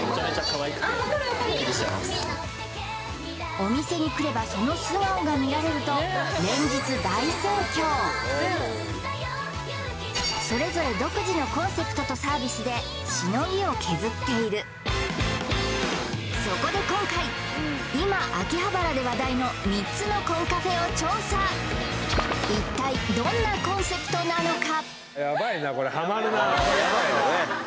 お店に来ればその素顔が見られるとそれぞれ独自のコンセプトとサービスでしのぎを削っているそこで今回今秋葉原で話題の３つのコンカフェを調査土曜深夜にあっそうなんですか？